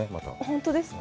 本当ですか。